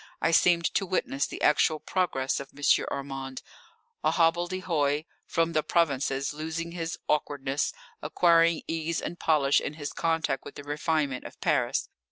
I seemed to witness the actual progress of M. Armand, a hobbledehoy from the provinces, losing his awkwardness, acquiring ease and polish in his contact with the refinement of Paris.